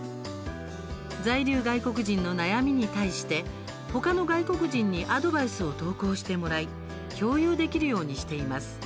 在留外国人の悩みに対して他の外国人にアドバイスを投稿してもらい共有できるようにしています。